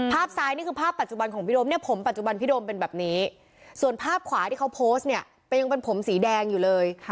ภาพซ้ายนี่คือภาพปัจจุบันของพี่โดมเนี่ยผมปัจจุบันพี่โดมเป็นแบบนี้ส่วนภาพขวาที่เขาโพสต์เนี่ยยังเป็นผมสีแดงอยู่เลย